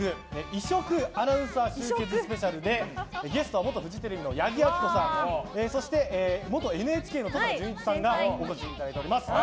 異色アナウンサー集結スペシャルでゲストは元フジテレビの八木亜希子さんそして元ＮＨＫの登坂淳一さんにお越しいただいております。